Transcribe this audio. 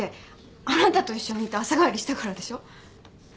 あなたと一緒にいて朝帰りしたからでしょ。